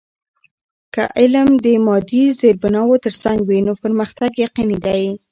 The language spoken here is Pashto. که علم د مادی زیربناوو ترڅنګ وي، نو پرمختګ یقینی دی.